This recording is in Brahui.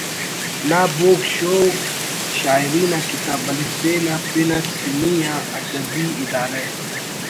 نا بوگ شوگ شاعری نا کتاب ”الف ب“ نا پن اٹ پنی آ ادبی ادارہ